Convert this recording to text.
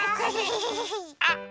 あっ！